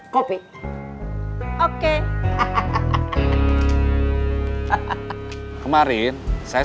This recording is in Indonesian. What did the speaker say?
kangen sama biaya